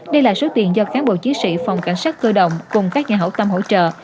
đây là số tiền do cán bộ chiến sĩ phòng cảnh sát cơ động cùng các nhà hậu tâm hỗ trợ